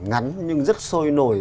ngắn nhưng rất sôi nổi